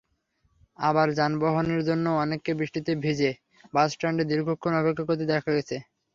আবার যানবাহনের জন্য অনেককে বৃষ্টিতে ভিজে বাসস্ট্যান্ডে দীর্ঘক্ষণ অপেক্ষা করতে দেখা গেছে।